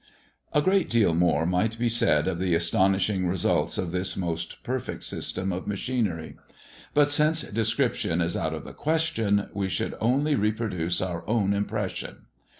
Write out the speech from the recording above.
A great deal more might be said of the astonishing results of this most perfect system of machinery. But, since description is out of the question, we should only reproduce our own impression.